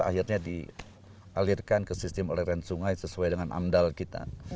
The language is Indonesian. akhirnya dialirkan ke sistem aliran sungai sesuai dengan amdal kita